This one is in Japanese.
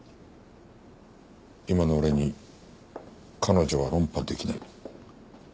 今の俺に彼女は論破できない。